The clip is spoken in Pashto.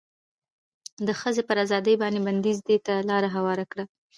د ښځې پر ازادې باندې بنديز دې ته لار هواره کړه